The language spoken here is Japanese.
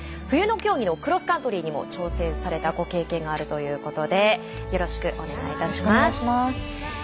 冬の競技のクロスカントリーにも挑戦されたご経験があるということでよろしくお願いいたします。